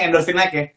endorphin naik ya